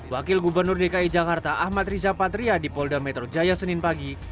wakil gubernur dki jakarta ahmad riza patria di polda metro jaya senin pagi